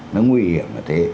nó nguy hiểm là thế